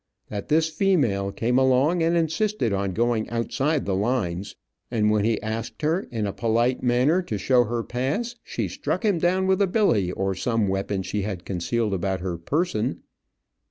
That this female came along and insisted on going outside of the lines, and when he asked her, in a polite manner, to show her pass, she struck him down with a billy, or some weapon she had concealed about her person.